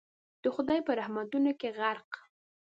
د خدای په رحمتونو کي غرق